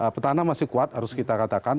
petana masih kuat harus kita katakan